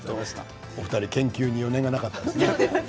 お二人研究に余念がなかったですね